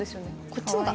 こっちの方が。